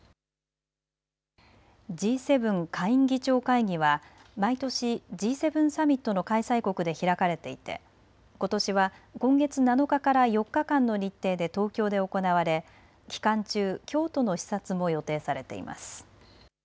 Ｇ７下院議長会議は毎年、Ｇ７サミットの開催国で開かれていてことしは今月７日から４日間の日程で東京で行われ期間中、京都の視察も予定されています。